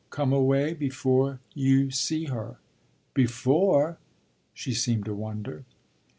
Come away before you see her." "Before ?" she seemed to wonder.